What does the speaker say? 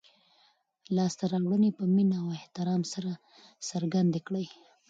لاسته راوړنې په مینه او احترام سره څرګندې کړئ.